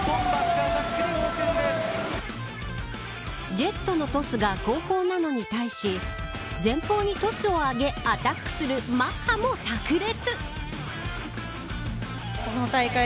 ジェットのトスが後方なのに対し前方にトスを上げアタックするマッハもさく裂。